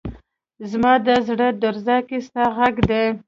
زما ده زړه درزا کي ستا غږ دی